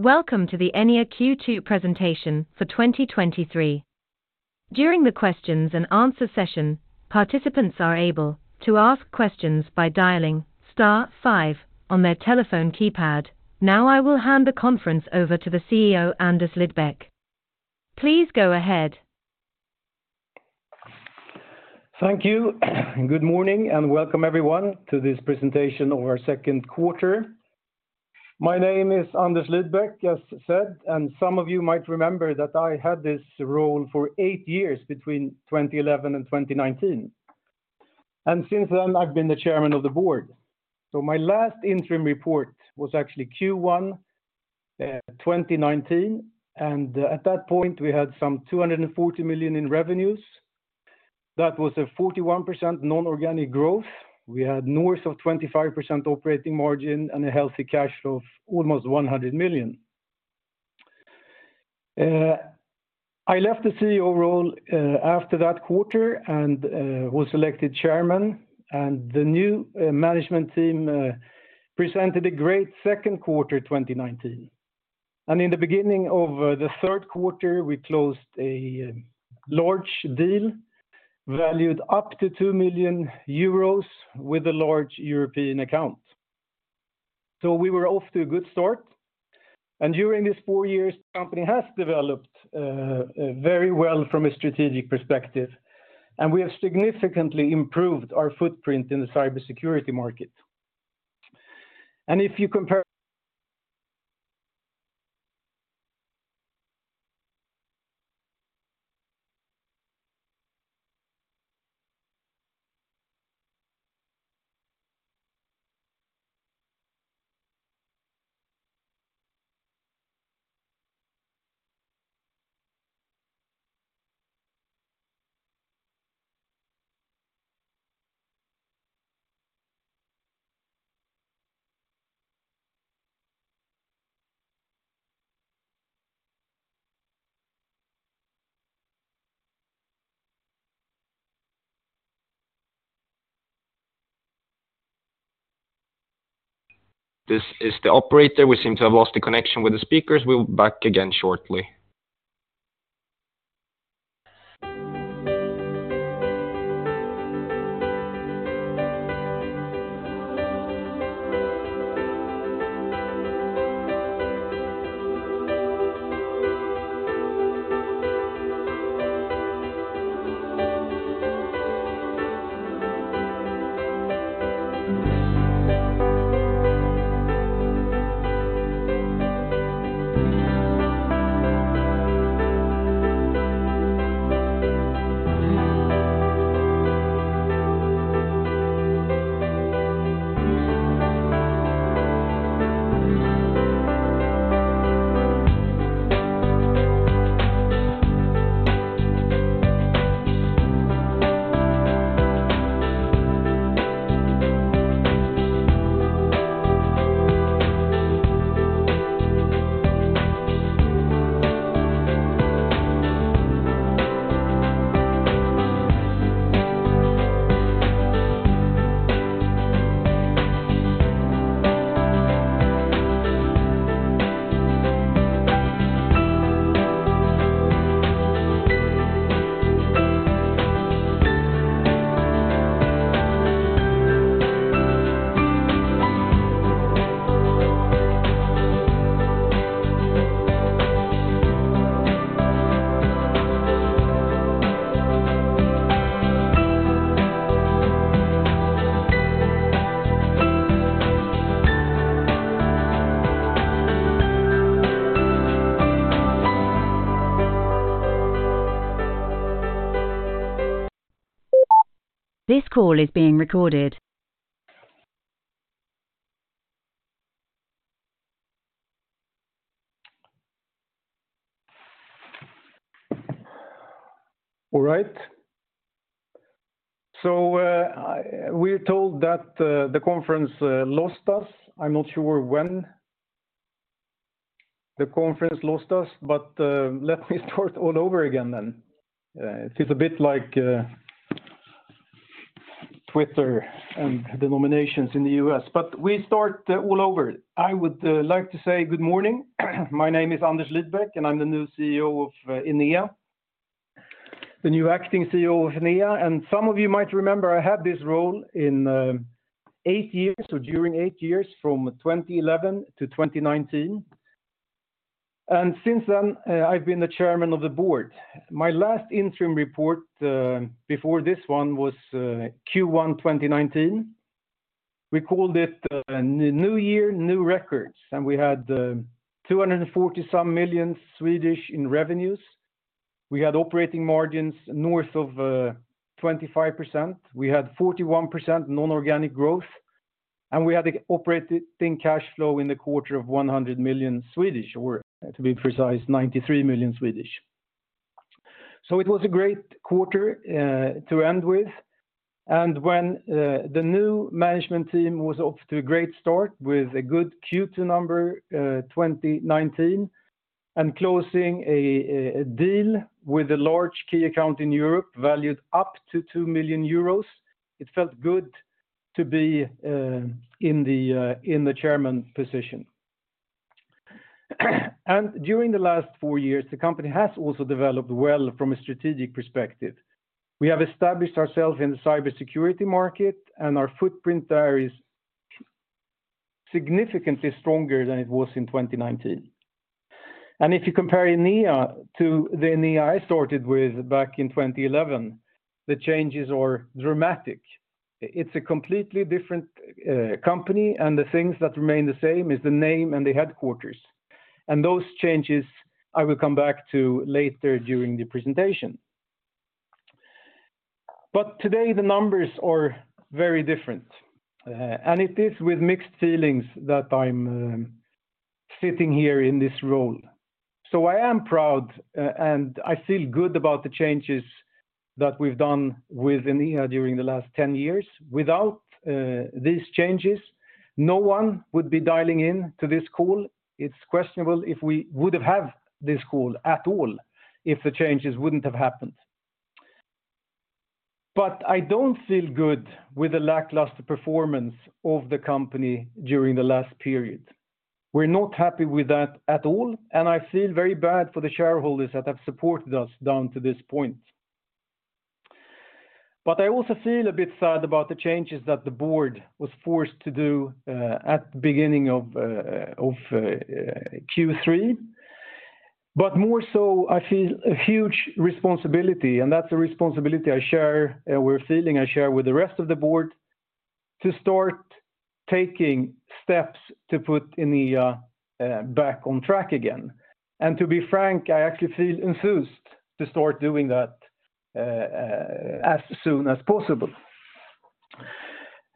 Welcome to the Enea Q2 presentation for 2023. During the questions and answer session, participants are able to ask questions by dialing star five on their telephone keypad. Now, I will hand the conference over to the CEO, Anders Lidbeck. Please go ahead. Thank you. Good morning, and welcome everyone to this presentation of our second quarter. My name is Anders Lidbeck, as said. Some of you might remember that I had this role for eight years between 2011 and 2019. Since then, I've been the chairman of the board. My last interim report was actually Q1, 2019, and at that point, we had some 240 million in revenues. That was a 41% non-organic growth. We had north of 25% operating margin and a healthy cash flow of almost 100 million. I left the CEO role after that quarter and was elected chairman, and the new management team presented a great second quarter, 2019. In the beginning of, the third quarter, we closed a large deal valued up to 2 million euros with a large European account. We were off to a good start, during these four years, the company has developed, very well from a strategic perspective, we have significantly improved our footprint in the cybersecurity market. If you compare- This is the operator. We seem to have lost the connection with the speakers. We'll be back again shortly. This call is being recorded. All right. We're told that the conference lost us. I'm not sure when the conference lost us, let me start all over again then. It is a bit like Twitter and the nominations in the U.S., we start all over. I would like to say good morning. My name is Anders Lidbeck, I'm the new CEO of Enea, the new acting CEO of Enea. Some of you might remember I had this role in eight years, so during eight years, from 2011-2019, since then, I've been the chairman of the board. My last interim report before this one was Q1 2019. We called it New Year, New Records, we had 240 some million in revenues. We had operating margins north of 25%. We had 41% non-organic growth, and we had the operating cash flow in the quarter of 100 million, or to be precise, 93 million. It was a great quarter to end with. When the new management team was off to a great start with a good Q2 number, 2019, and closing a deal with a large key account in Europe, valued up to 2 million euros, it felt good to be in the chairman position. During the last four years, the company has also developed well from a strategic perspective. We have established ourselves in the cybersecurity market, and our footprint there is significantly stronger than it was in 2019. If you compare Enea to the Enea I started with back in 2011, the changes are dramatic. It's a completely different company, and the things that remain the same is the name and the headquarters. Those changes I will come back to later during the presentation. Today, the numbers are very different, and it is with mixed feelings that I'm sitting here in this role. I am proud, and I feel good about the changes that we've done with Enea during the last 10 years. Without these changes, no one would be dialing in to this call. It's questionable if we would have had this call at all, if the changes wouldn't have happened. I don't feel good with the lackluster performance of the company during the last period. We're not happy with that at all. I feel very bad for the shareholders that have supported us down to this point. I also feel a bit sad about the changes that the board was forced to do at the beginning of Q3. More so, I feel a huge responsibility, and that's a responsibility I share, we're feeling I share with the rest of the board, to start taking steps to put Enea back on track again. To be frank, I actually feel enthused to start doing that as soon as possible.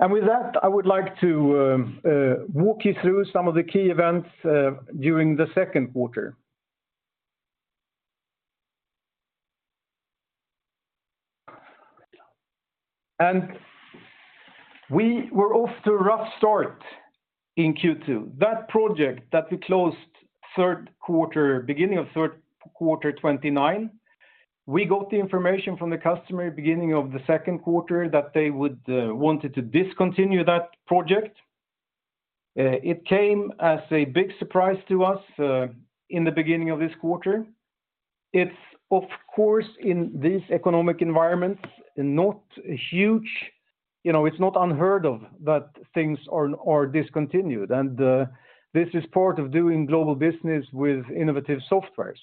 With that, I would like to walk you through some of the key events during the second quarter. We were off to a rough start in Q2. That project that we closed beginning of third quarter 2029, we got the information from the customer beginning of the second quarter that they wanted to discontinue that project. It came as a big surprise to us in the beginning of this quarter. It's, of course, in this economic environment, not huge. You know, it's not unheard of that things are discontinued, and this is part of doing global business with innovative software.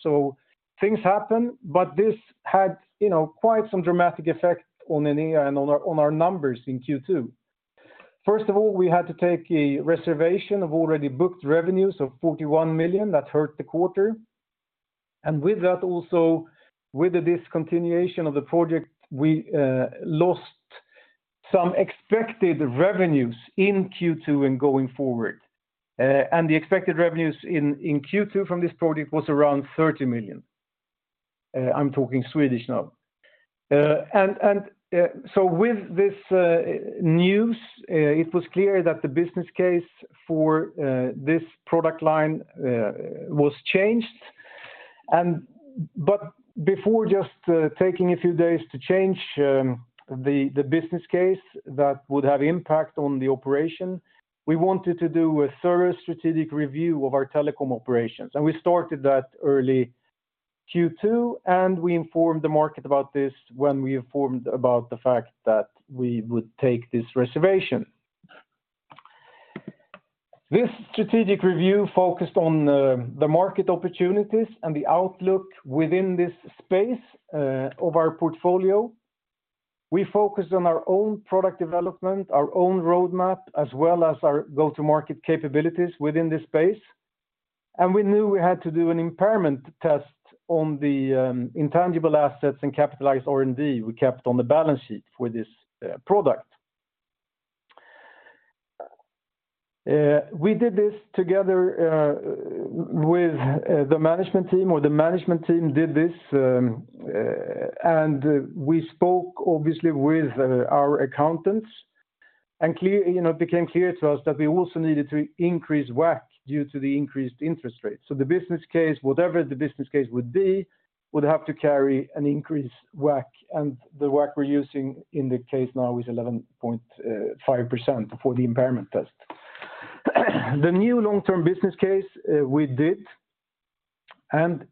Things happen, but this had, you know, quite some dramatic effect on Enea and on our numbers in Q2. First of all, we had to take a reservation of already booked revenues of 41 million. That hurt the quarter. With that also, with the discontinuation of the project, we lost some expected revenues in Q2 and going forward. The expected revenues in Q2 from this project was around 30 million. I'm talking Swedish now. With this news, it was clear that the business case for this product line was changed. Before just taking a few days to change the business case, that would have impact on the operation, we wanted to do a thorough strategic review of our telecom operations. We started that early Q2. We informed the market about this when we informed about the fact that we would take this reservation. This strategic review focused on the market opportunities and the outlook within this space of our portfolio. We focused on our own product development, our own roadmap, as well as our go-to-market capabilities within this space. We knew we had to do an impairment test on the intangible assets and capitalized R&D we kept on the balance sheet for this product. We did this together with the management team, or the management team did this, and we spoke obviously with our accountants. you know, it became clear to us that we also needed to increase WACC due to the increased interest rates. The business case, whatever the business case would be, would have to carry an increased WACC, and the WACC we're using in the case now is 11.5% for the impairment test. The new long-term business case we did, and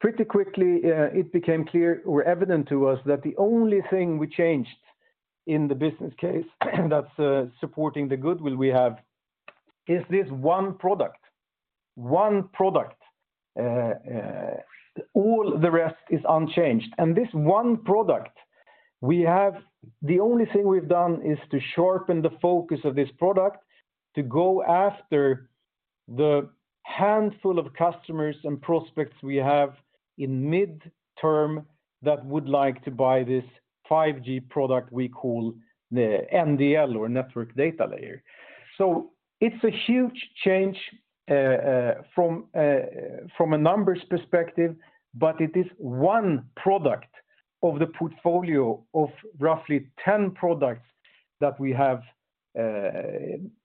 pretty quickly it became clear or evident to us that the only thing we changed in the business case, that's supporting the goodwill we have, is this one product. One product. All the rest is unchanged. This one product, the only thing we've done is to sharpen the focus of this product, to go after the handful of customers and prospects we have in mid-term that would like to buy this 5G product we call the NDL or Network Data Layer. It's a huge change from a numbers perspective, but it is one product of the portfolio of roughly 10 products that we have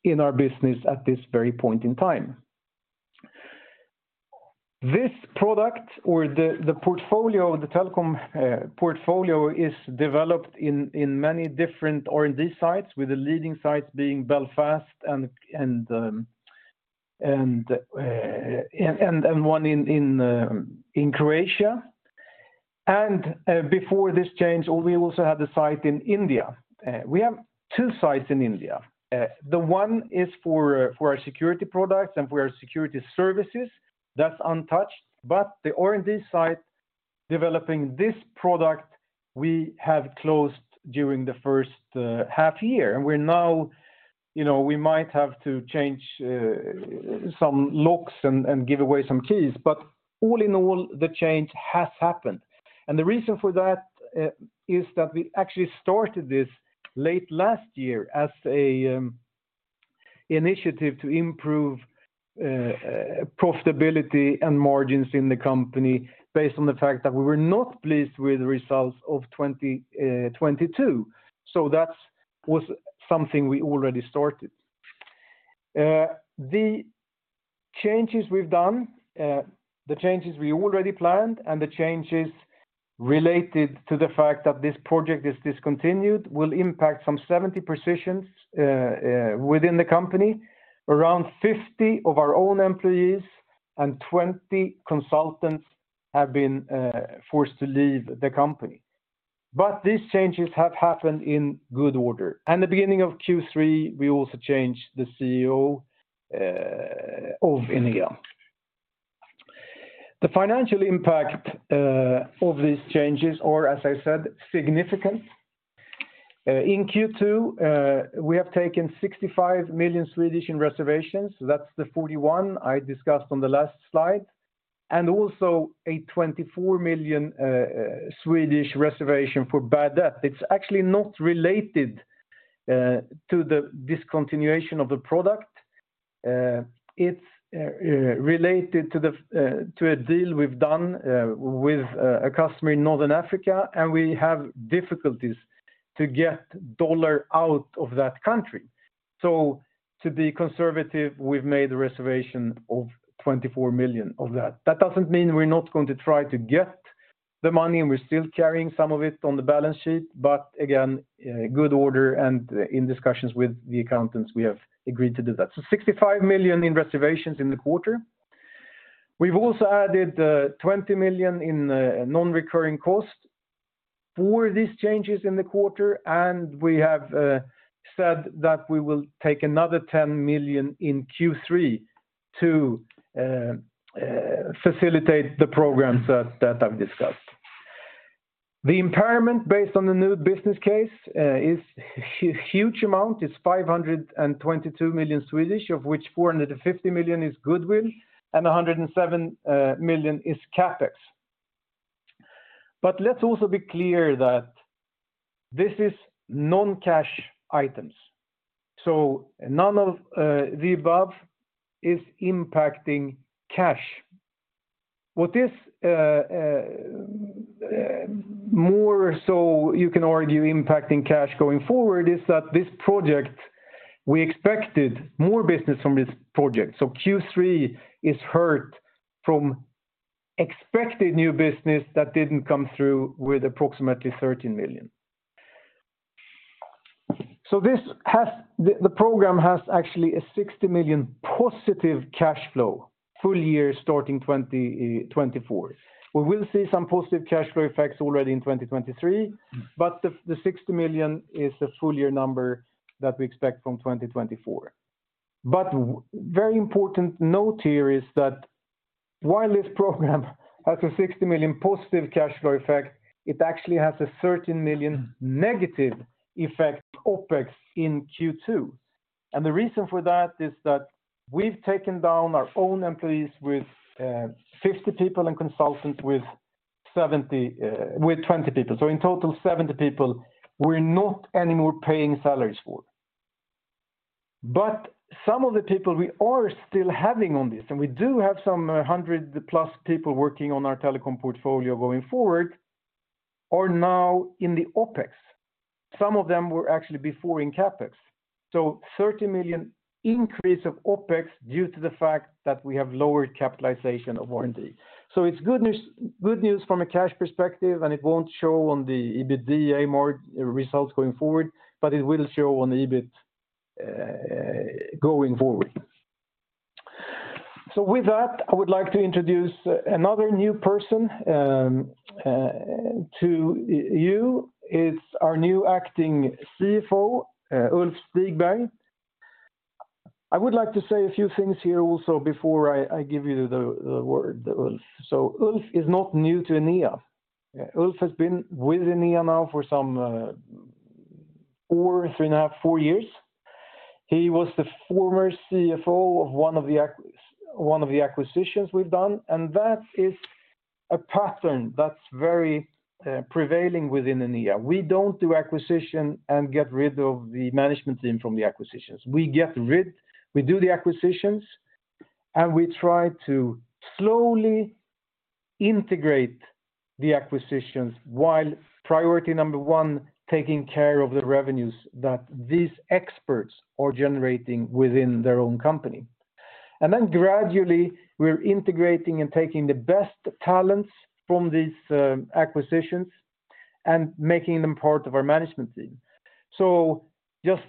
in our business at this very point in time. This product or the portfolio, the telecom portfolio is developed in many different R&D sites, with the leading sites being Belfast and one in Croatia. Before this change, we also had a site in India. We have two sites in India. The one is for our security products and for our security services. That's untouched, but the R&D site developing this product, we have closed during the first half year. We're now, you know, we might have to change some locks and give away some keys, but all in all, the change has happened. The reason for that is that we actually started this late last year as an initiative to improve profitability and margins in the company, based on the fact that we were not pleased with the results of 2022. That's was something we already started. The changes we've done, the changes we already planned and the changes related to the fact that this project is discontinued, will impact some 70 positions within the company. Around 50 of our own employees and 20 consultants have been forced to leave the company. These changes have happened in good order, and the beginning of Q3, we also changed the CEO of Enea. The financial impact of these changes are, as I said, significant. In Q2, we have taken 65 million in reservations. That's the 41 million I discussed on the last slide, and also a 24 million Swedish reservation for bad debt. It's actually not related to the discontinuation of the product. It's related to a deal we've done with a customer in Northern Africa. We have difficulties to get dollar out of that country. To be conservative, we've made a reservation of 24 million of that. That doesn't mean we're not going to try to get the money, and we're still carrying some of it on the balance sheet, again, good order and in discussions with the accountants, we have agreed to do that. 65 million in reservations in the quarter. We've also added 20 million in non-recurring costs for these changes in the quarter. We have said that we will take another 10 million in Q3 to facilitate the programs that I've discussed. The impairment based on the new business case is a huge amount, is 522 million, of which 450 million is goodwill. A 107 million is CapEx. Let's also be clear that this is non-cash items. None of the above is impacting cash. What is more so you can argue impacting cash going forward is that this project, we expected more business from this project. Q3 is hurt from expected new business that didn't come through with approximately 13 million. The program has actually a 60 million positive cash flow, full year starting 2024. We will see some positive cash flow effects already in 2023, but the 60 million is the full year number that we expect from 2024. Very important note here is that while this program has a 60 million positive cash flow effect, it actually has a 13 million negative effect OpEx in Q2. The reason for that is that we've taken down our own employees with 50 people and consultants with 20 people. In total, 70 people we're not anymore paying salaries for. Some of the people we are still having on this, and we do have some 100+ people working on our telecom portfolio going forward, are now in the OpEx. Some of them were actually before in CapEx, so 13 million increase of OpEx due to the fact that we have lowered capitalization of R&D. It's good news, good news from a cash perspective, and it won't show on the EBITDA results going forward, but it will show on the EBIT going forward. With that, I would like to introduce another new person to you. It's our new acting CFO Ulf Stigberg. I would like to say a few things here also before I give you the word, Ulf. Ulf is not new to Enea. Ulf has been with Enea now for some four, three and a half, four years. He was the former CFO of one of the acquisitions we've done, and that is a pattern that's very prevailing within Enea. We don't do acquisition and get rid of the management team from the acquisitions. We do the acquisitions, and we try to slowly integrate the acquisitions while priority number one, taking care of the revenues that these experts are generating within their own company. Then gradually, we're integrating and taking the best talents from these acquisitions and making them part of our management team. Just,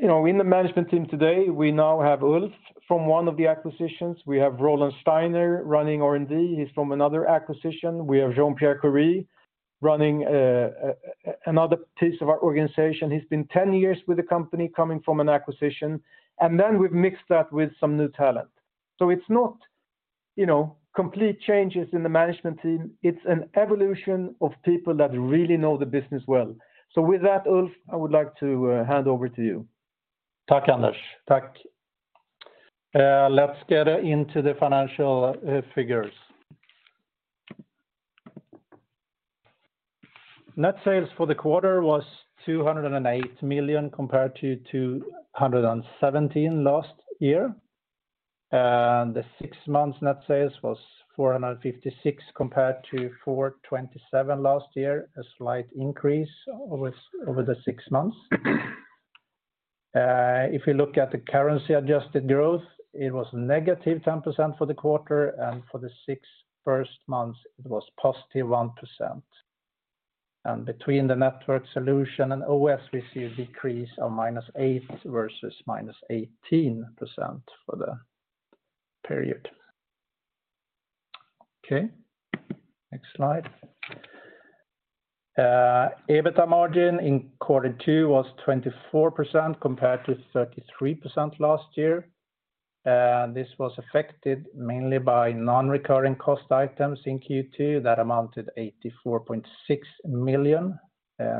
you know, in the management team today, we now have Ulf from one of the acquisitions. We have Roland Steiner running R&D, he's from another acquisition. We have Jean-Pierre Coury running another piece of our organization. He's been 10 years with the company, coming from an acquisition, and then we've mixed that with some new talent. It's not, you know, complete changes in the management team, it's an evolution of people that really know the business well. With that, Ulf, I would like to hand over to you. Thank you, Anders. Thank you. Let's get into the financial figures. Net sales for the quarter was 208 million, compared to 217 million last year. The six months net sales was 456 million, compared to 427 million last year, a slight increase over the six months. If you look at the currency-adjusted growth, it was -10% for the quarter, and for the six first months, it was +1%. Between the Network Solutions and OS, we see a decrease of -8% versus -18% for the period. Okay, next slide. EBITDA margin in quarter two was 24%, compared to 33% last year. This was affected mainly by non-recurring cost items in Q2 that amounted 84.6 million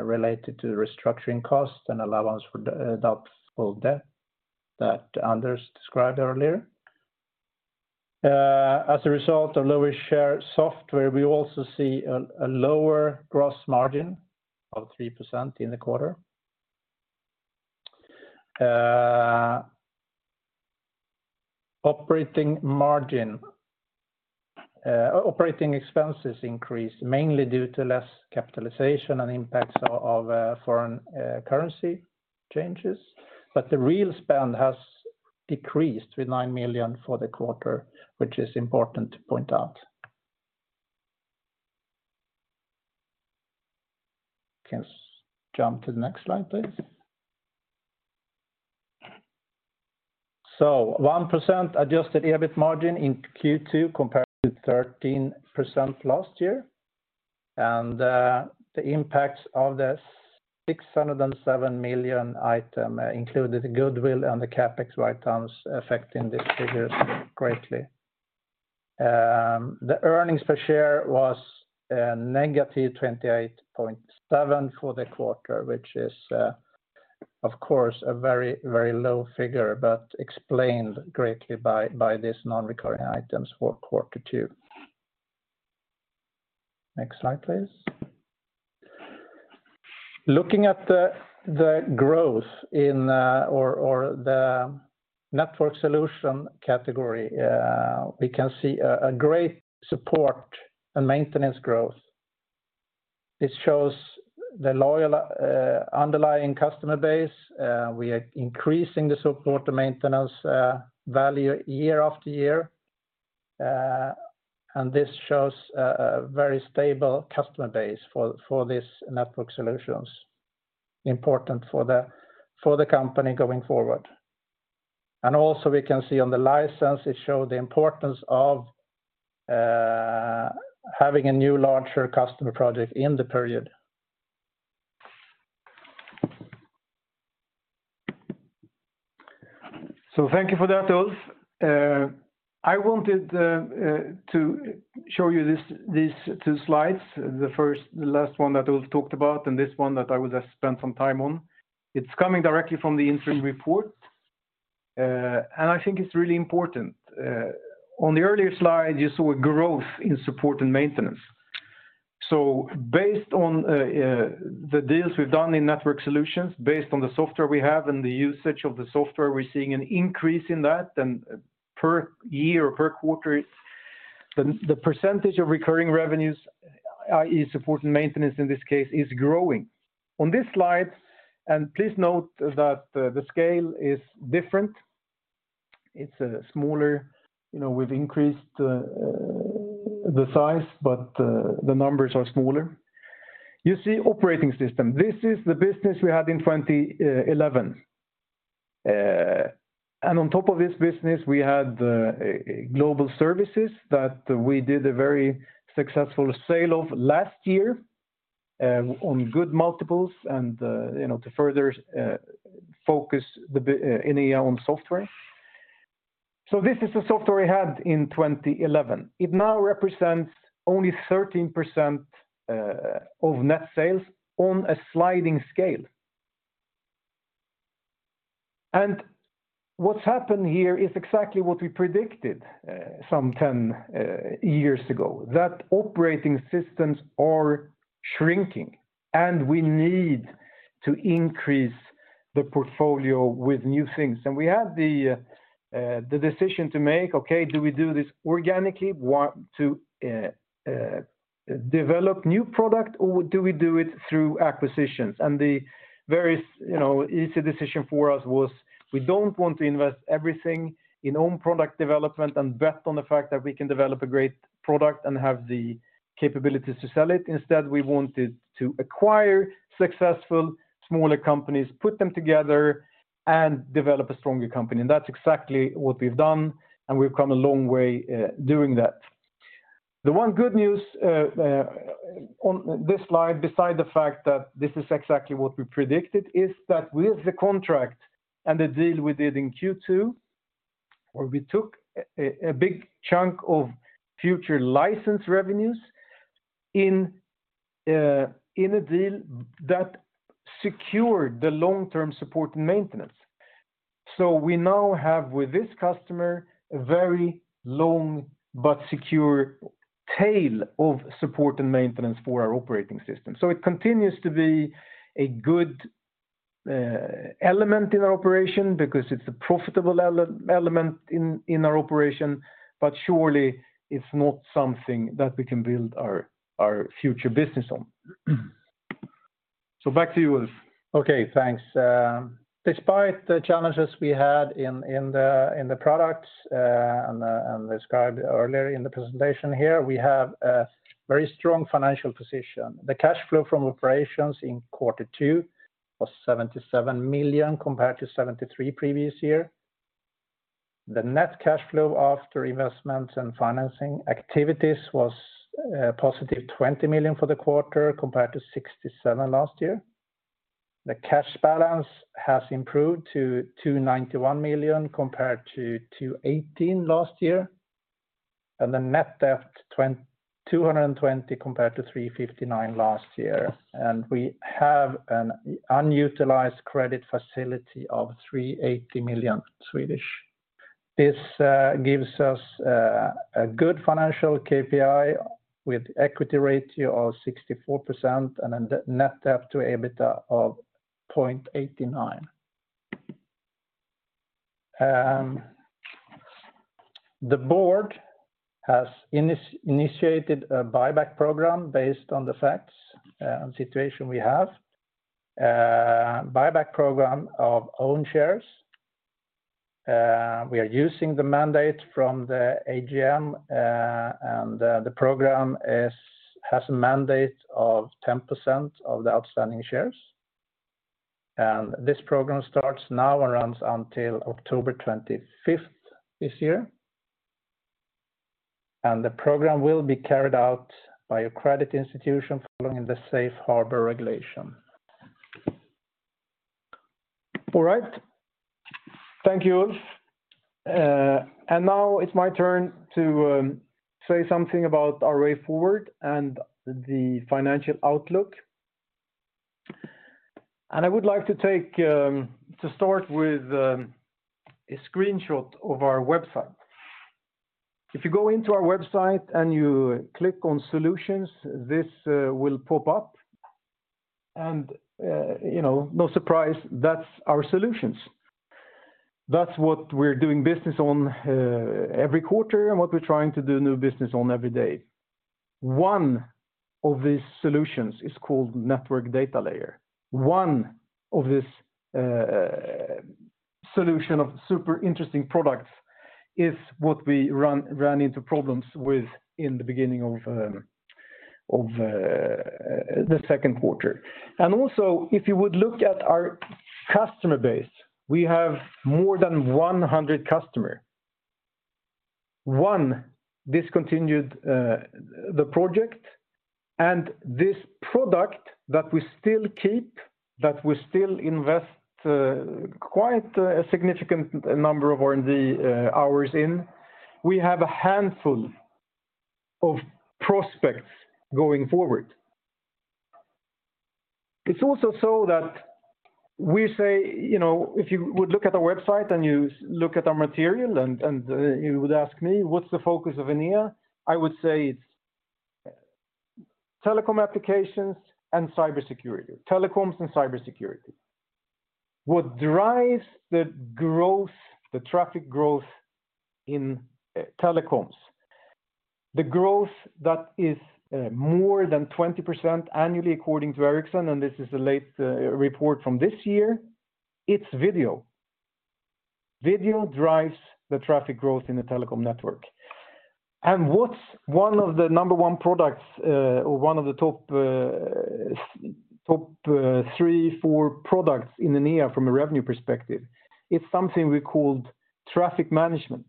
related to the restructuring cost and allowance for the doubtful debt that Anders described earlier. As a result of lower share software, we also see a lower gross margin of 3% in the quarter. Operating margin. Operating expenses increased, mainly due to less capitalization and impacts of foreign currency changes, but the real spend has decreased with 9 million for the quarter, which is important to point out. You can just jump to the next slide, please. 1% adjusted EBIT margin in Q2, compared to 13% last year. The impacts of the 607 million item included the goodwill and the CapEx items affecting the figures greatly. The earnings per share was -28.7 for the quarter, which is, of course, a very low figure, but explained greatly by these non-recurring items for Q2. Next slide, please. Looking at the growth in or the Network Solutions category, we can see a great support and maintenance growth. This shows the loyal underlying customer base. We are increasing the support and maintenance value year after year. This shows a very stable customer base for this Network Solutions. Important for the company going forward. We can see on the license, it show the importance of having a new larger customer project in the period. Thank you for that, Ulf. I wanted to show you this, these two slides. The first, the last one that Ulf talked about, and this one that I would just spend some time on. It's coming directly from the interim report, and I think it's really important. On the earlier slide, you saw a growth in support and maintenance. Based on the deals we've done in Network Solutions, based on the software we have and the usage of the software, we're seeing an increase in that. Per year or per quarter, the percentage of recurring revenues, is support and maintenance in this case, is growing. On this slide, please note that the scale is different. It's smaller. You know, we've increased the size, but the numbers are smaller. You see operating system. This is the business we had in 2011. On top of this business, we had global services that we did a very successful sale of last year on good multiples and the, you know, to further focus the Enea on software. This is the software we had in 2011. It now represents only 13% of net sales on a sliding scale. What's happened here is exactly what we predicted some 10 years ago, that operating systems are shrinking, and we need to increase the portfolio with new things. We had the decision to make, okay, do we do this organically, want to develop new product, or do we do it through acquisitions? The very, you know, easy decision for us was we don't want to invest everything in own product development and bet on the fact that we can develop a great product and have the capabilities to sell it. Instead, we wanted to acquire successful smaller companies, put them together, and develop a stronger company. That's exactly what we've done, and we've come a long way doing that. The one good news on this slide, beside the fact that this is exactly what we predicted, is that with the contract and the deal we did in Q2, where we took a big chunk of future license revenues in a deal that secured the long-term support and maintenance. We now have, with this customer, a very long but secure tail of support and maintenance for our operating system. It continues to be a good element in our operation because it's a profitable element in our operation, but surely it's not something that we can build our future business on. Back to you, Ulf. Okay, thanks. Despite the challenges we had in the, in the products, and described earlier in the presentation here, we have a very strong financial position. The cash flow from operations in quarter two was 77 million, compared to 73 million previous year. The net cash flow after investments and financing activities was +20 million for the quarter, compared to 67 million last year. The cash balance has improved to 291 million, compared to 218 million last year, and the net debt 220 million compared to 359 million last year. We have an unutilized credit facility of 380 million. This gives us a good financial KPI with equity ratio of 64% and a net debt to EBITDA of 0.89. The board has initiated a buyback program based on the facts and situation we have. Buyback program of own shares. We are using the mandate from the AGM. The program has a mandate of 10% of the outstanding shares. This program starts now and runs until October 25th this year. The program will be carried out by a credit institution following the safe harbor regulation. All right. Thank you, Ulf. Now it's my turn to say something about our way forward and the financial outlook. I would like to start with a screenshot of our website. If you go into our website and you click on Solutions, this will pop up. You know, no surprise, that's our solutions. That's what we're doing business on every quarter and what we're trying to do new business on every day. One of these solutions is called Network Data Layer. One of this solution of super interesting products is what we ran into problems with in the beginning of the second quarter. Also, if you would look at our customer base, we have more than 100 customer. One discontinued the project, and this product that we still keep, that we still invest quite a significant number of R&D hours in, we have a handful of prospects going forward. It's also so that we say, you know, if you would look at our website and you look at our material and you would ask me, "What's the focus of Enea?" I would say it's telecom applications and cybersecurity. Telecoms and cybersecurity. What drives the growth, the traffic growth in telecoms? The growth that is more than 20% annually, according to Ericsson, and this is the latest report from this year, it's video. Video drives the traffic growth in the telecom network. What's one of the number one products, or one of the top three, four products in Enea from a revenue perspective? It's something we called Traffic Management.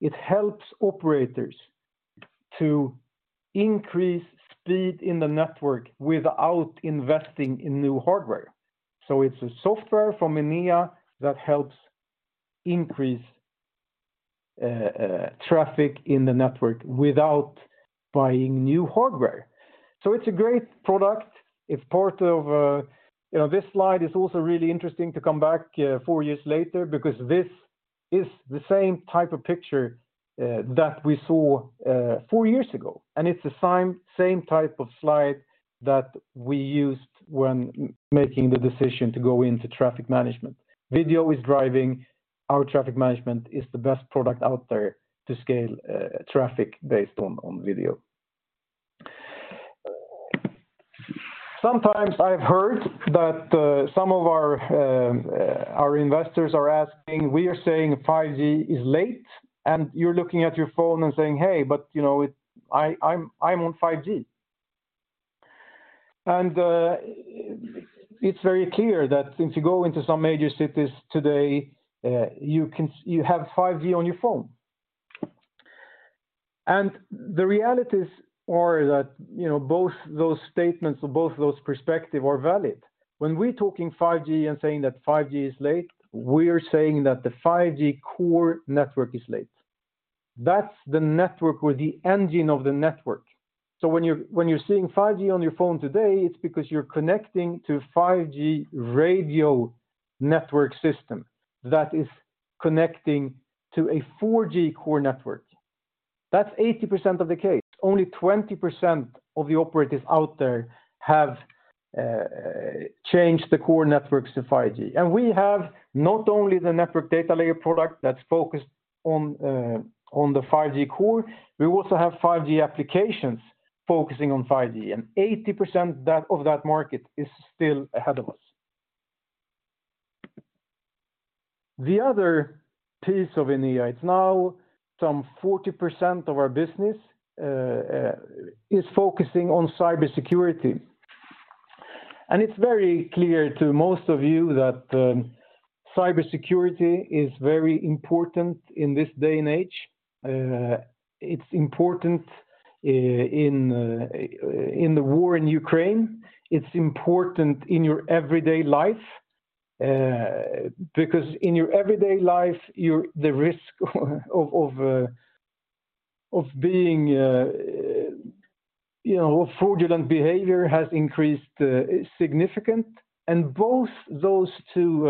It helps operators to increase speed in the network without investing in new hardware. It's a software from Enea that helps increase traffic in the network without buying new hardware. It's a great product. It's part of. You know, this slide is also really interesting to come back four years later, because It's the same type of picture that we saw four years ago, and it's the same type of slide that we used when making the decision to go into Traffic Management. Video is driving our Traffic Management, is the best product out there to scale traffic based on video. Sometimes I've heard that some of our investors are asking, we are saying 5G is late, and you're looking at your phone and saying, "Hey, but, you know, I'm on 5G." It's very clear that since you go into some major cities today, you have 5G on your phone. The realities are that, you know, both those statements or both those perspective are valid. When we're talking 5G and saying that 5G is late, we are saying that the 5G core network is late. That's the network or the engine of the network. When you're seeing 5G on your phone today, it's because you're connecting to 5G radio network system that is connecting to a 4G core network. That's 80% of the case. Only 20% of the operators out there have changed the core networks to 5G. We have not only the Network Data Layer product that's focused on the 5G core, we also have 5G applications focusing on 5G, 80% of that market is still ahead of us. The other piece of Enea, it's now some 40% of our business, is focusing on cybersecurity. It's very clear to most of you that cybersecurity is very important in this day and age. It's important in the war in Ukraine, it's important in your everyday life, because in your everyday life, the risk of being, you know, fraudulent behavior has increased significant. Both those two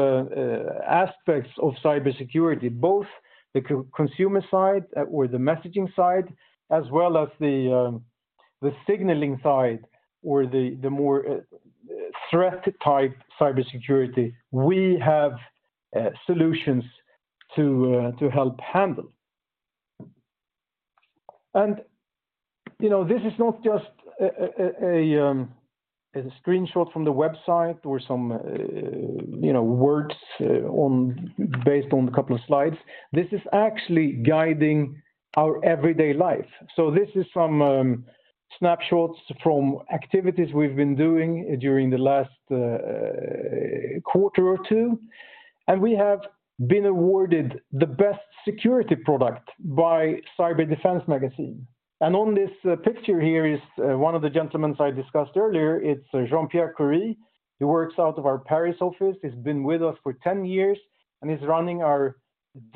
aspects of cybersecurity, both the consumer side or the messaging side, as well as the signaling side or the more threat-type cybersecurity, we have solutions to help handle. You know, this is not just a screenshot from the website or some, you know, words based on a couple of slides. This is actually guiding our everyday life. This is some snapshots from activities we've been doing during the last quarter or two, and we have been awarded the best security product by Cyber Defense Magazine. On this picture here is one of the gentlemen I discussed earlier, it's Jean-Pierre Coury. He works out of our Enea Paris office. He's been with us for 10 years, and he's running our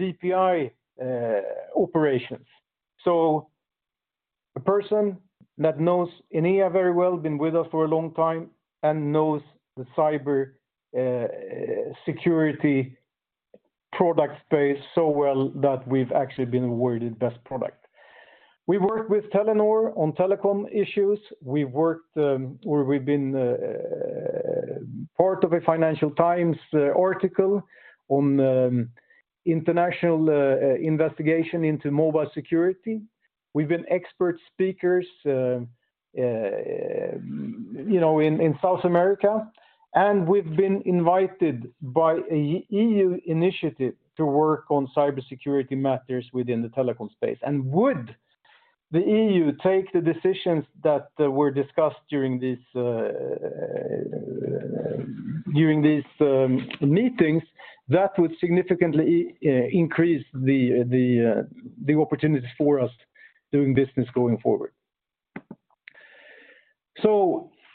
DPI operations. A person that knows Enea very well, been with us for a long time and knows the cybersecurity product space so well that we've actually been awarded Best Product. We work with Telenor on telecom issues. We've worked, or we've been part of a Financial Times article on international investigation into mobile security. We've been expert speakers, you know, in South America, and we've been invited by a EU initiative to work on cybersecurity matters within the telecom space. Would the EU take the decisions that were discussed during these during these meetings, that would significantly increase the opportunities for us doing business going forward.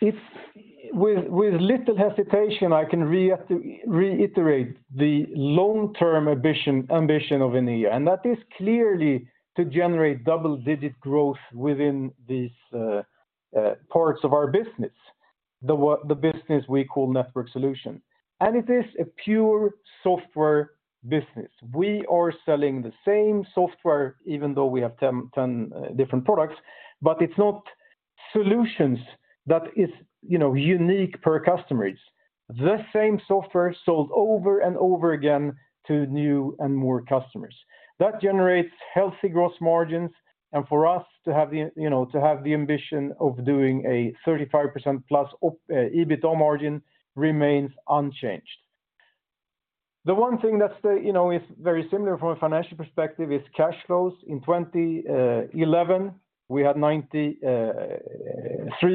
If. with little hesitation, I can reiterate the long-term ambition of Enea, and that is clearly to generate double-digit growth within these parts of our business, the business we call Network Solutions. It is a pure software business. We are selling the same software, even though we have 10 different products, but it's not solutions that is, you know, unique per customers. The same software sold over and over again to new and more customers. That generates healthy gross margins, and for us to have the, you know, to have the ambition of doing a 35%+ EBITDA margin remains unchanged. The one thing that's, you know, is very similar from a financial perspective is cash flows. In 2011, we had 93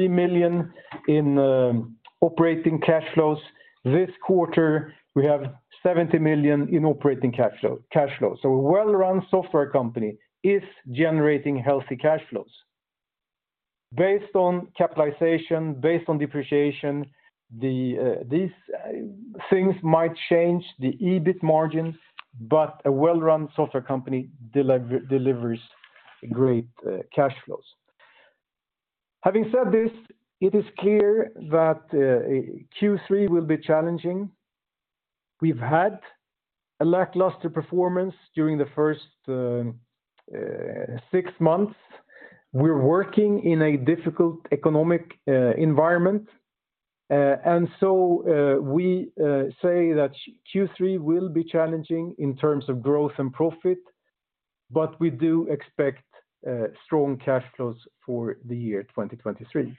million in operating cash flows. This quarter, we have 70 million in operating cash flow. A well-run software company is generating healthy cash flows. Based on capitalization, based on depreciation, these things might change the EBIT margins, but a well-run software company delivers great cash flows. Having said this, it is clear that Q3 will be challenging. We've had a lackluster performance during the first six months. We're working in a difficult economic environment. We say that Q3 will be challenging in terms of growth and profit, but we do expect strong cash flows for the year 2023.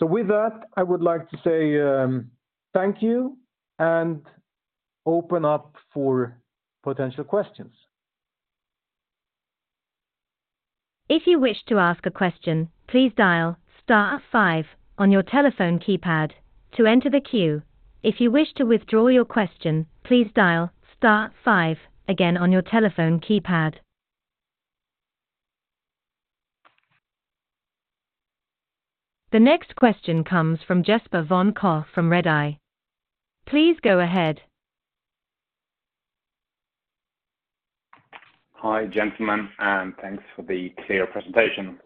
With that, I would like to say thank you, and open up for potential questions. If you wish to ask a question, please dial star five on your telephone keypad to enter the queue. If you wish to withdraw your question, please dial star five again on your telephone keypad. The next question comes from Jesper von Koch from Redeye. Please go ahead. Hi, gentlemen, thanks for the clear presentation.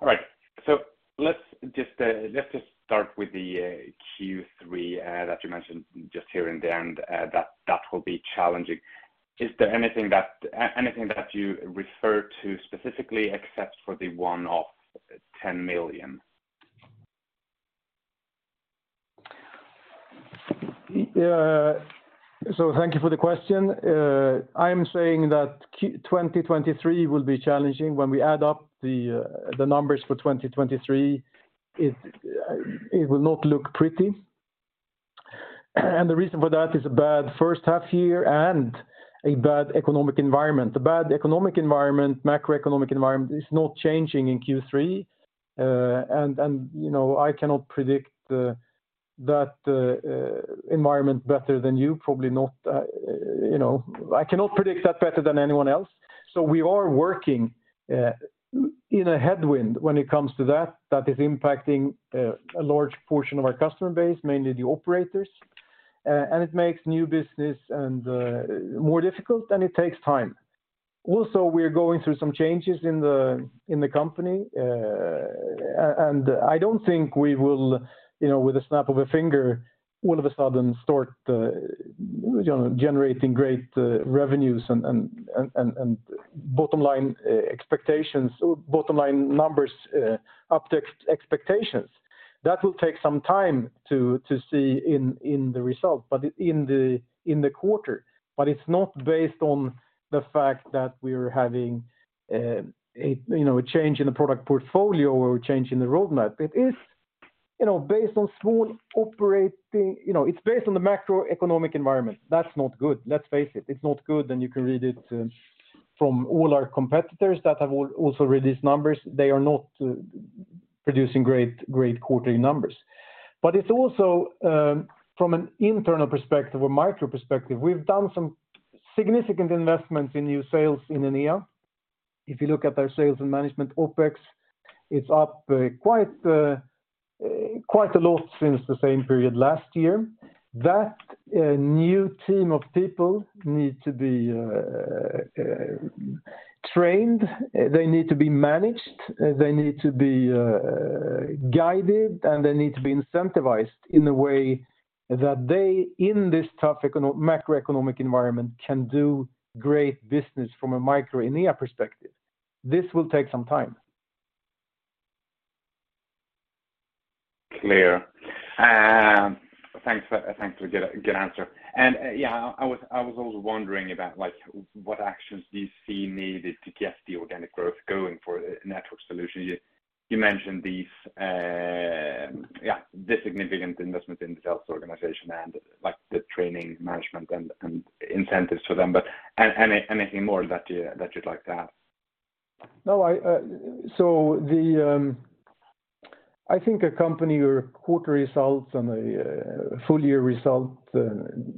All right, let's just start with the Q3 that you mentioned just here in the end that will be challenging. Is there anything that you refer to specifically except for the one-off 10 million? Thank you for the question. I'm saying that 2023 will be challenging. When we add up the numbers for 2023, it will not look pretty. The reason for that is a bad first half year and a bad economic environment. The bad economic environment, macroeconomic environment, is not changing in Q3. You know, I cannot predict the, that, environment better than you, probably not, you know, I cannot predict that better than anyone else. We are working in a headwind when it comes to that. That is impacting a large portion of our customer base, mainly the operators. It makes new business and, more difficult, and it takes time. Also, we're going through some changes in the company. I don't think we will, you know, with a snap of a finger, all of a sudden start, you know, generating great revenues and bottom line expectations or bottom line numbers up to expectations. That will take some time to see in the result, but in the quarter. It's not based on the fact that we're having, you know, a change in the product portfolio or a change in the roadmap. It is, you know, based on small operating... You know, it's based on the macroeconomic environment. That's not good. Let's face it's not good, and you can read it from all our competitors that have also released numbers. They are not producing great quarterly numbers. It's also, from an internal perspective, a micro perspective, we've done some significant investments in new sales in Enea. If you look at our sales and management OpEx, it's up quite a lot since the same period last year. That new team of people need to be trained, they need to be managed, they need to be guided, and they need to be incentivized in a way that they, in this tough macroeconomic environment, can do great business from a micro Enea perspective. This will take some time. Clear. Thanks for a good answer. Yeah, I was also wondering about, like, what actions do you see needed to get the organic growth going for a Network Solutions? You mentioned these, yeah, the significant investment in the sales organization and, like, the training, management, and incentives for them. Anything more that you'd like to add? No, I think a company or quarter results and a full year result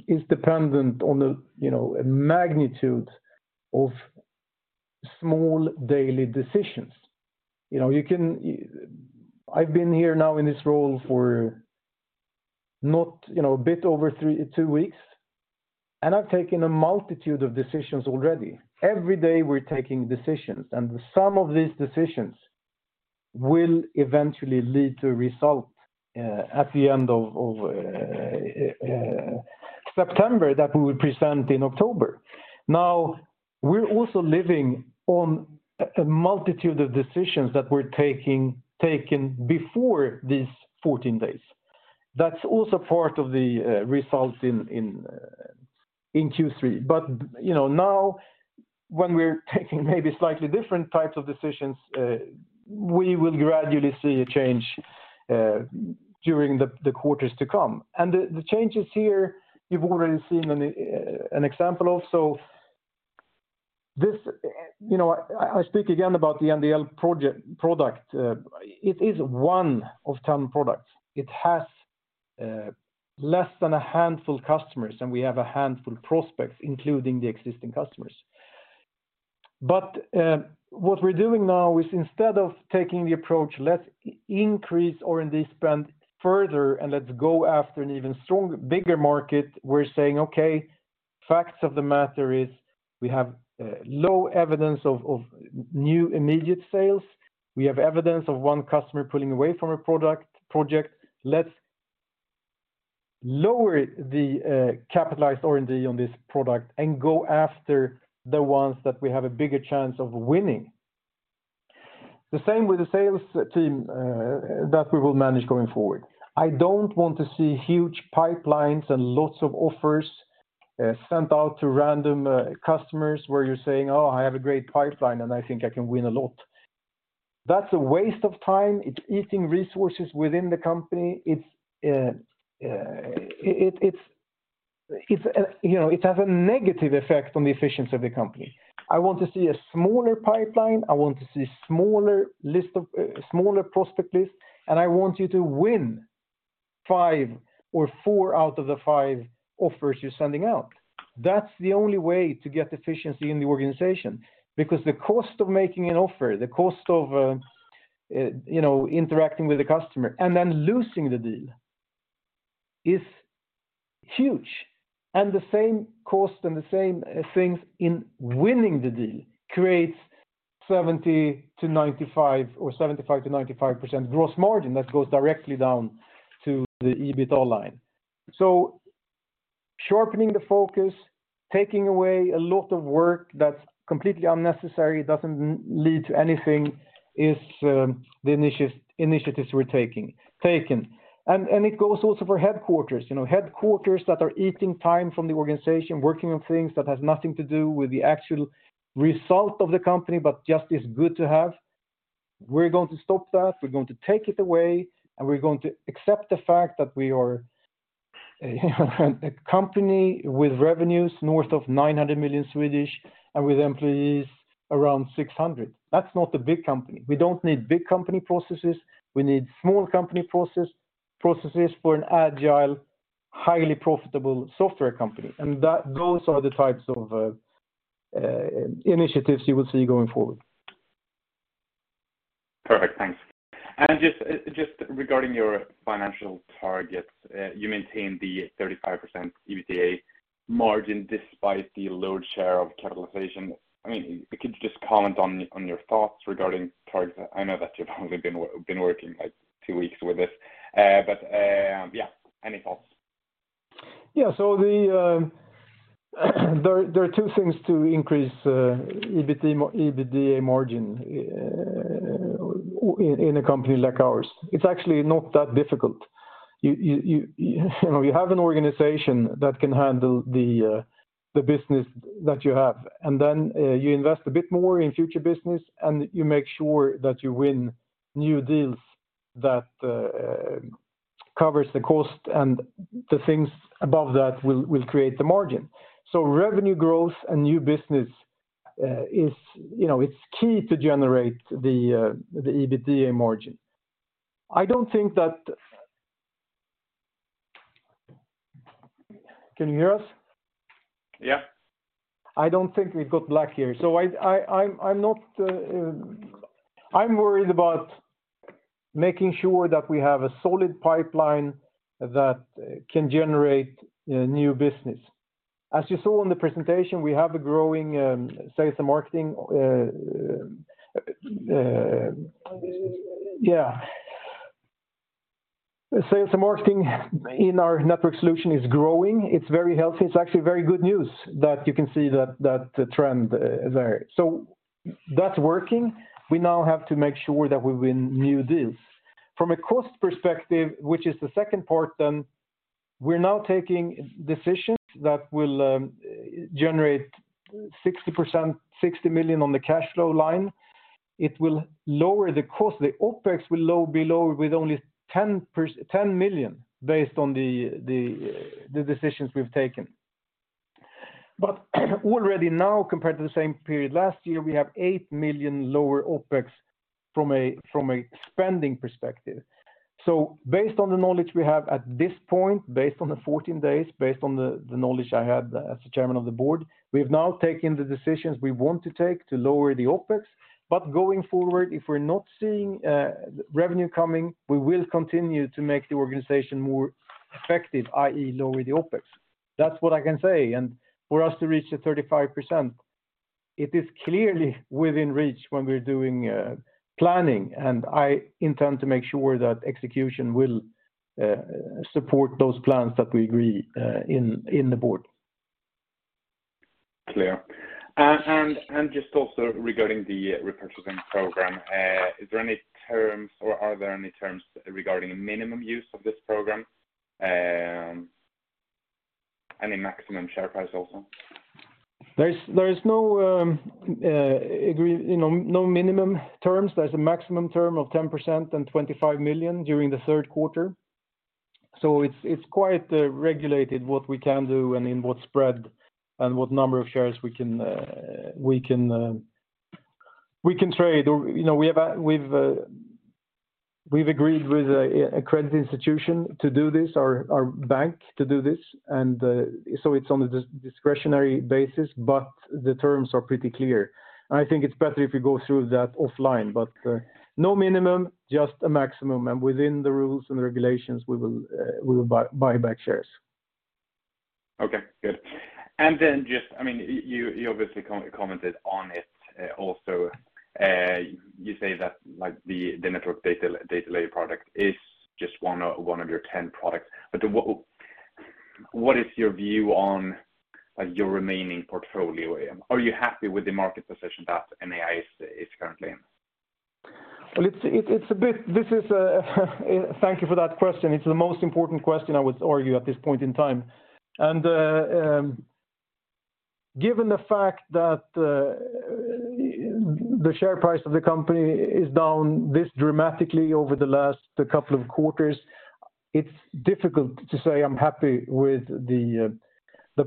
is dependent on the, you know, a magnitude of small daily decisions. You know, I've been here now in this role for not, you know, a bit over three, two weeks, and I've taken a multitude of decisions already. Every day, we're taking decisions, and some of these decisions will eventually lead to a result at the end of September that we will present in October. Now, we're also living on a multitude of decisions that we're taken before these 14 days. That's also part of the results in Q3. You know, now, when we're taking maybe slightly different types of decisions, we will gradually see a change during the quarters to come. The changes here, you've already seen an example of. This, you know, I speak again about the NDL product. It is one of 10 products. It has less than a handful customers, and we have a handful prospects, including the existing customers. What we're doing now is instead of taking the approach, let's increase R&D spend further and let's go after an even stronger, bigger market, we're saying, Okay, facts of the matter is we have low evidence of new immediate sales. We have evidence of one customer pulling away from a project. Let's lower the capitalized R&D on this product and go after the ones that we have a bigger chance of winning. The same with the sales team that we will manage going forward. I don't want to see huge pipelines and lots of offers, sent out to random customers where you're saying, "Oh, I have a great pipeline, and I think I can win a lot." That's a waste of time. It's eating resources within the company. It's, you know, it has a negative effect on the efficiency of the company. I want to see a smaller pipeline, I want to see smaller list of smaller prospect list, and I want you to win five or four out of the five offers you're sending out. That's the only way to get efficiency in the organization, because the cost of making an offer, the cost of, you know, interacting with the customer and then losing the deal is huge, and the same cost and the same, things in winning the deal creates 70%-95% or 75%-95% gross margin that goes directly down to the EBITDA line. Sharpening the focus, taking away a lot of work that's completely unnecessary, it doesn't lead to anything, is, the initiatives we're taking. It goes also for headquarters. You know, headquarters that are eating time from the organization, working on things that has nothing to do with the actual result of the company, but just is good to have. We're going to stop that. We're going to take it away, and we're going to accept the fact that we are a company with revenues north of 900 million and with employees around 600. That's not a big company. We don't need big company processes. We need small company processes for an agile, highly profitable software company. Those are the types of initiatives you will see going forward. Perfect, thanks. Just regarding your financial targets, you maintained the 35% EBITDA margin despite the load share of capitalization. I mean, could you just comment on your thoughts regarding targets? I know that you've only been working, like, two weeks with this, but, yeah, any thoughts? There are two things to increase EBIT, EBITDA margin in a company like ours. It's actually not that difficult. You know, you have an organization that can handle the business that you have. Then you invest a bit more in future business. You make sure that you win new deals that covers the cost. The things above that will create the margin. Revenue growth and new business is, you know, it's key to generate the EBITDA margin. I don't think that... Can you hear us? Yeah. I don't think we've got black here. I'm not worried about making sure that we have a solid pipeline that can generate new business. As you saw in the presentation, we have a growing sales and marketing. Sales and marketing in our Network Solutions is growing. It's very healthy. It's actually very good news that you can see that trend there. That's working. We now have to make sure that we win new deals. From a cost perspective, which is the second part, we're now taking decisions that will generate 60 million on the cash flow line. It will lower the cost. The OpEx will be lower with only 10 million based on the decisions we've taken. Already now, compared to the same period last year, we have 8 million lower OpEx from a spending perspective. Based on the knowledge we have at this point, based on the 14 days, based on the knowledge I had as the chairman of the board, we've now taken the decisions we want to take to lower the OpEx. Going forward, if we're not seeing revenue coming, we will continue to make the organization more effective, i.e., lower the OpEx. That's what I can say. For us to reach the 35%, it is clearly within reach when we're doing planning, and I intend to make sure that execution will support those plans that we agree in the board. Clear. just also regarding the repurchasing program, is there any terms or are there any terms regarding minimum use of this program, and a maximum share price also? There is no, you know, no minimum terms. There's a maximum term of 10% and 25 million during the third quarter. It's quite regulated what we can do and in what spread and what number of shares we can trade. You know, we've agreed with a credit institution to do this, our bank to do this, so it's on a discretionary basis, but the terms are pretty clear. I think it's better if you go through that offline. No minimum, just a maximum, and within the rules and regulations, we will buy back shares. Okay, good. Just, I mean, you obviously commented on it, also, you say that, like, the Network Data Layer product is just one of your 10 products. What is your view on, like, your remaining portfolio? Are you happy with the market position that Enea is currently in? Well, this is, thank you for that question. It's the most important question I would argue at this point in time. Given the fact that the share price of the company is down this dramatically over the last couple of quarters, it's difficult to say I'm happy with the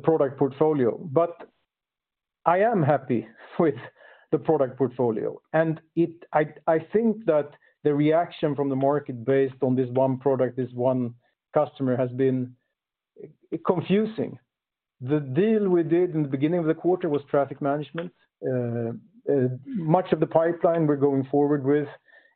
product portfolio, but I am happy with the product portfolio. I think that the reaction from the market based on this one product, this one customer, has been confusing. The deal we did in the beginning of the quarter was Traffic Management. Much of the pipeline we're going forward with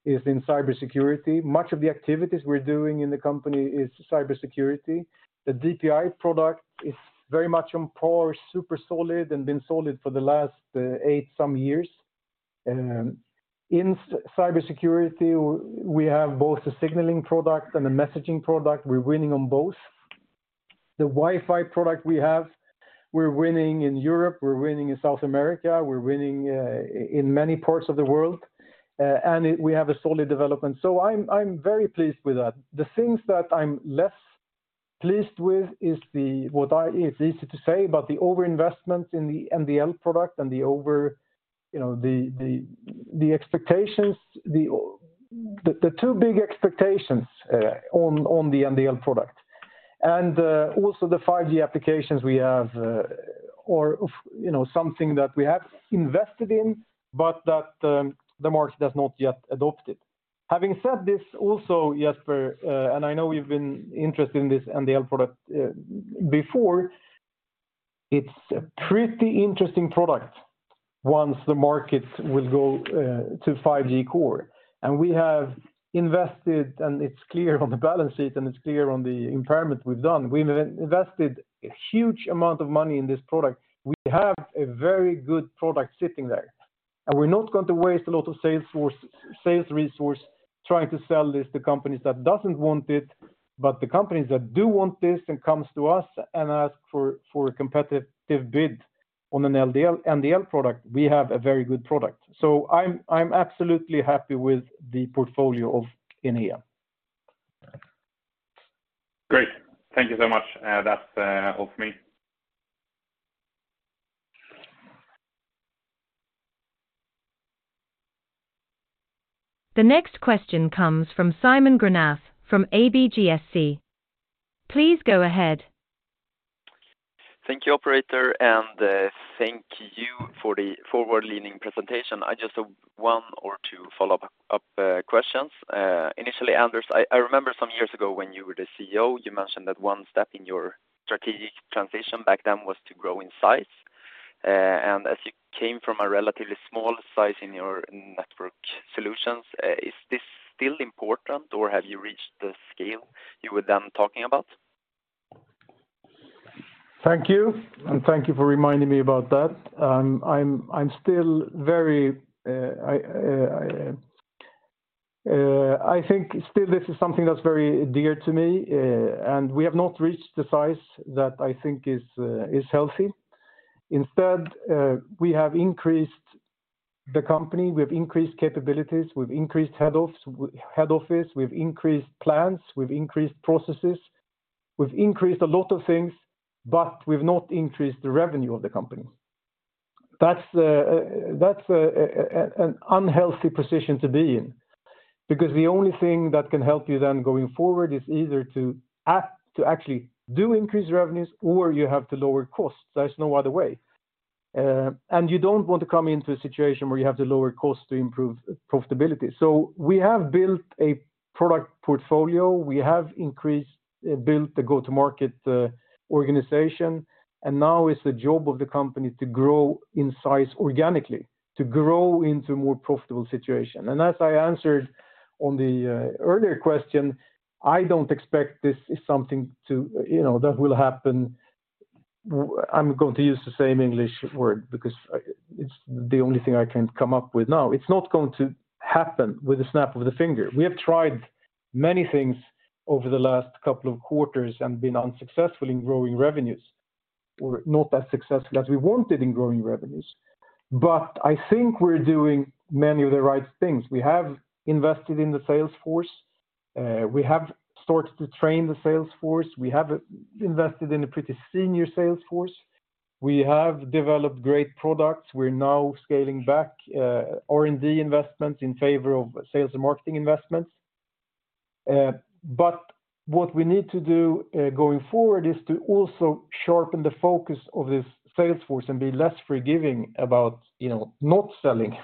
is in cybersecurity. Much of the activities we're doing in the company is cybersecurity. The DPI product is very much on par, super solid, and been solid for the last eight some years. In cybersecurity, we have both a signaling product and a messaging product. We're winning on both. The Wi-Fi product we have, we're winning in Europe, we're winning in South America, we're winning in many parts of the world, and it, we have a solid development. I'm very pleased with that. The things that I'm less pleased with is the, what it's easy to say, but the overinvestment in the NDL product and the over, you know, the expectations, the two big expectations on the NDL product. Also the 5G applications we have, or, you know, something that we have invested in, but that the market has not yet adopted. Having said this also, Jesper, and I know you've been interested in this NDL product, before, it's a pretty interesting product once the market will go to 5G core. And we have invested, and it's clear on the balance sheet, and it's clear on the impairment we've done. We've invested a huge amount of money in this product. We have a very good product sitting there, and we're not going to waste a lot of sales resource trying to sell this to companies that doesn't want it. But the companies that do want this and comes to us and ask for a competitive bid on an NDL, NDL product, we have a very good product. So I'm absolutely happy with the portfolio of Enea. Great. Thank you so much. That's all for me. The next question comes from Simon Granath, from ABGSC. Please go ahead. Thank you, operator, and thank you for the forward-leaning presentation. I just have one or two follow-up questions. Initially, Anders, I remember some years ago when you were the CEO, you mentioned that one step in your strategic transition back then was to grow in size. As you came from a relatively small size in your Network Solutions, is this still important, or have you reached the scale you were then talking about? Thank you for reminding me about that. I'm still very, I think still this is something that's very dear to me, we have not reached the size that I think is healthy. Instead, we have increased the company, we've increased capabilities, we've increased head office, we've increased plans, we've increased processes. We've increased a lot of things, we've not increased the revenue of the company. That's an unhealthy position to be in because the only thing that can help you then going forward is either to actually do increase revenues or you have to lower costs. There's no other way. You don't want to come into a situation where you have to lower costs to improve profitability. We have built a product portfolio, we have increased, built the go-to-market organization, and now it's the job of the company to grow in size organically, to grow into a more profitable situation. As I answered on the earlier question, I don't expect this is something to, you know, that will happen. I'm going to use the same English word because I, it's the only thing I can come up with now. It's not going to happen with a snap of the finger. We have tried many things over the last couple of quarters and been unsuccessful in growing revenues, or not as successful as we wanted in growing revenues. I think we're doing many of the right things. We have invested in the sales force, we have started to train the sales force, we have invested in a pretty senior sales force, we have developed great products. We're now scaling back R&D investments in favor of sales and marketing investments. What we need to do going forward, is to also sharpen the focus of this sales force and be less forgiving about, you know, not selling.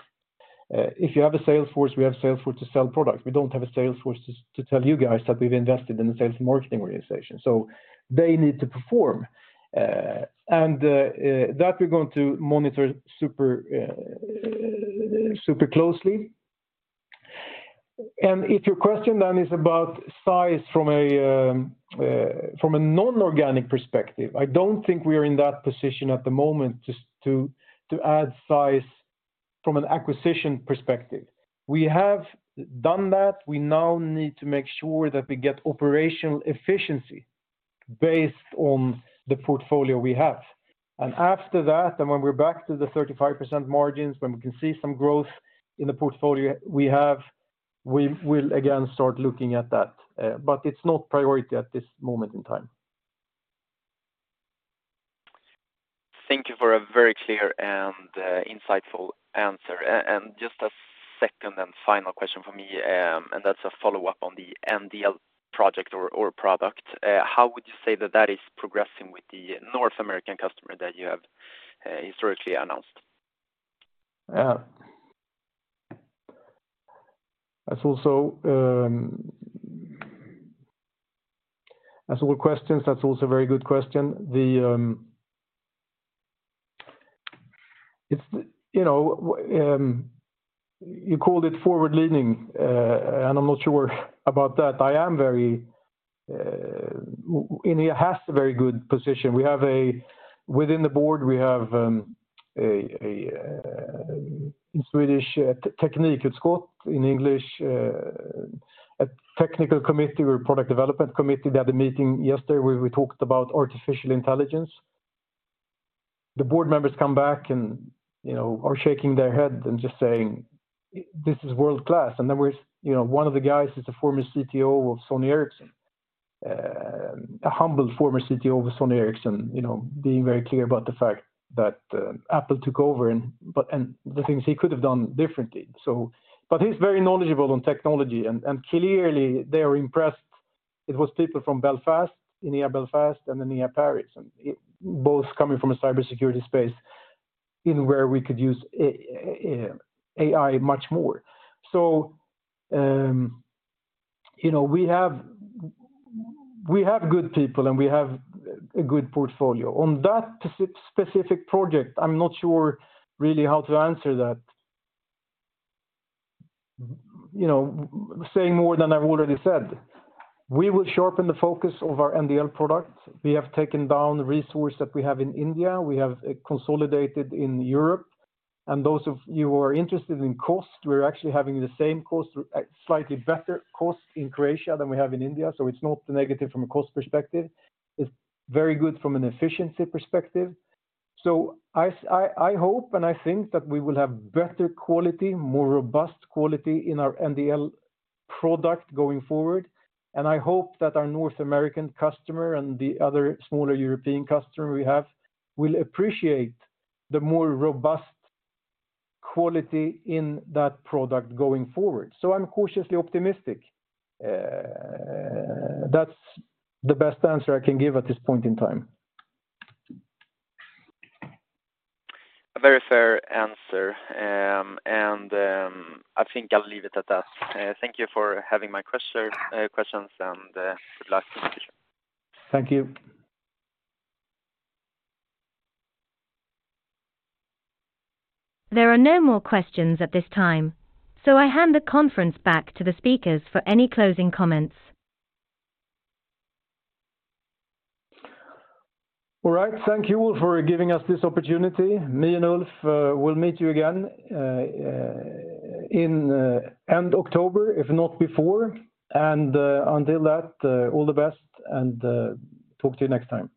If you have a sales force, we have sales force to sell products. We don't have a sales force to tell you guys that we've invested in the sales and marketing organization, so they need to perform. That we're going to monitor super closely. If your question then is about size from a non-organic perspective, I don't think we are in that position at the moment just to add size from an acquisition perspective. We have done that. We now need to make sure that we get operational efficiency based on the portfolio we have. After that, when we're back to the 35% margins, when we can see some growth in the portfolio we have, we will again start looking at that. It's not priority at this moment in time. Thank you for a very clear and insightful answer. Just a second and final question from me. That's a follow-up on the NDL project or product. How would you say that that is progressing with the North American customer that you have historically announced? Yeah. That's a good question. That's also a very good question. The, it's, you know, you called it forward-leaning, I'm not sure about that. I am very, Enea has a very good position. We have Within the board, we have in Swedish, teknikutskott. In English, a technical committee or product development committee. They had a meeting yesterday where we talked about artificial intelligence. The board members come back, you know, are shaking their head and just saying, "This is world-class." We're, you know, one of the guys is a former CTO of Sony Ericsson, a humble former CTO of Sony Ericsson, you know, being very clear about the fact that Apple took over the things he could have done differently. But he's very knowledgeable on technology, and clearly, they are impressed. It was people from Enea Belfast and Enea Paris, both coming from a cybersecurity space, in where we could use AI much more. You know, we have good people, and we have a good portfolio. On that specific project, I'm not sure really how to answer that. You know, saying more than I've already said, we will sharpen the focus of our NDL product. We have taken down the resource that we have in India. We have consolidated in Europe, and those of you who are interested in cost, we're actually having the same cost, slightly better cost in Croatia than we have in India, so it's not negative from a cost perspective. It's very good from an efficiency perspective. I hope, and I think that we will have better quality, more robust quality in our NDL product going forward. I hope that our North American customer and the other smaller European customer we have will appreciate the more robust quality in that product going forward. I'm cautiously optimistic. That's the best answer I can give at this point in time. A very fair answer. I think I'll leave it at that. Thank you for having my question, questions, and good luck in the future. Thank you. There are no more questions at this time. I hand the conference back to the speakers for any closing comments. All right. Thank you all for giving us this opportunity. Me and Ulf will meet you again in end October, if not before. Until that, all the best, and talk to you next time.